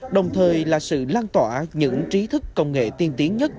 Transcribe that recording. đồng thời là sự lan tỏa những trí thức công nghệ tiên tiến nhất